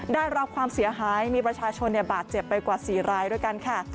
ได้รับความเสียหายมีประชาชนบาดเจ็บไปกว่า๔รายด้วยกันค่ะ